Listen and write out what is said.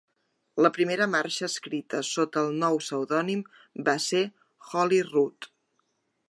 La primera marxa escrita sota el nou pseudònim va ser "Holyrood".